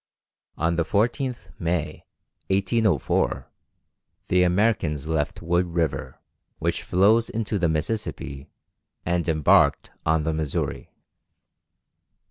On the 14th May, 1804, the Americans left Wood River, which flows into the Mississippi, and embarked on the Missouri.